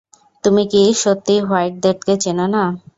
তুমি কি সত্যিই হোয়াইট ডেথকে চেনো না?